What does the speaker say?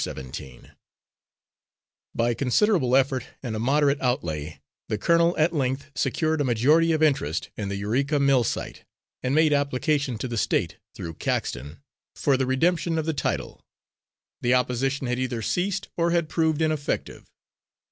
Seventeen By considerable effort, and a moderate outlay, the colonel at length secured a majority of interest in the Eureka mill site and made application to the State, through Caxton, for the redemption of the title. The opposition had either ceased or had proved ineffective.